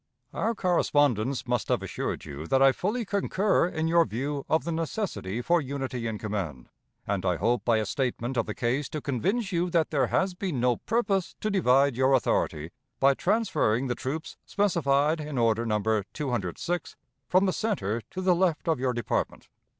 Our correspondence must have assured you that I fully concur in your view of the necessity for unity in command, and I hope by a statement of the case to convince you that there has been no purpose to divide your authority by transferring the troops specified in order No. 206 from the center to the left of your department.